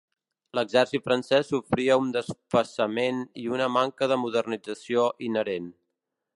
L'exèrcit francès sofria d'un desfasament i una manca de modernització inherent.